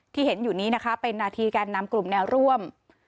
ที่เห็นอยู่นี้นะคะเป็นนาทีแกนนำกลุ่มแนวร่วม